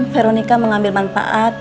veronica mengambil manfaat